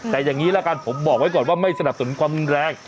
แต่อย่างนี้ละกันผมบอกไว้ก่อนว่าไม่สนับสนุนความรุนแรง